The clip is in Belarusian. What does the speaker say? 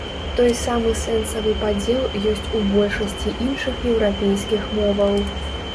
Той самы сэнсавы падзел ёсць у большасці іншых еўрапейскіх моваў.